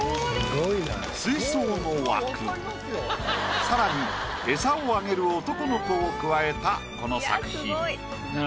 水槽の枠更に餌をあげる男の子を加えたこの作品。